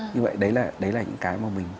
như vậy đấy là đấy là những cái mà mình